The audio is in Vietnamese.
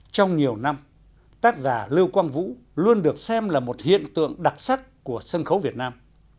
trong nhiều năm tác giả lưu quang vũ luôn được xem là một hiện tượng đặc sắc của sân khấu việt nam